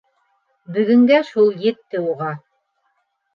Бөгөнгә шул етте уға.